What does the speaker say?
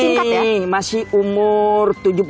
ini masih umur tujuh puluh